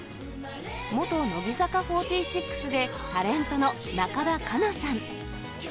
元乃木坂４６で、タレントの中田花奈さん。